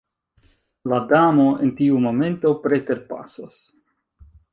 La Damo en tiu momento preterpasas.